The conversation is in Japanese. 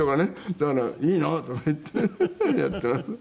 だから「いいの！」とか言ってねやっています。